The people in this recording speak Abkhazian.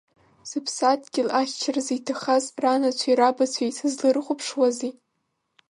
Зыԥсадгьыл ахьчаразы иҭахаз ранацәеи рабацәеи сызларыхәаԥшуазеи?